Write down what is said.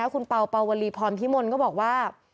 คุณเป่าเป่าวลีพรพิมลก็บอกว่า